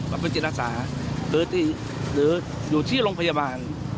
มันเป็นจิตอาสาหรืออยู่ที่โรงพยาบาล